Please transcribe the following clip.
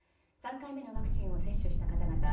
３回目のワクチンを接種した方々